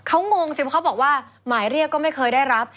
เขางงสิเพราะเขาบอกว่าหมายเรียกก็ไม่เคยได้รับ